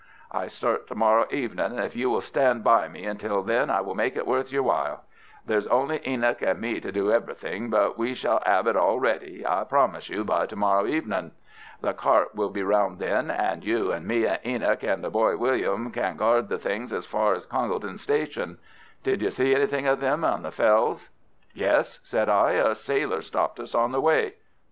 I start to morrow evening, and if you will stand by me until then I will make it worth your while. There's only Enoch and me to do everything, but we shall 'ave it all ready, I promise you, by to morrow evening. The cart will be round then, and you and me and Enoch and the boy William can guard the things as far as Congleton station. Did you see anything of them on the fells?" "Yes," said I; "a sailor stopped us on the way."